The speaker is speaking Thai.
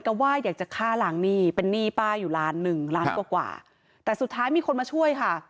แต่ยังดีที่พลเมืองดีมาเห็น